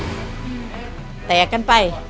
แตกกันไป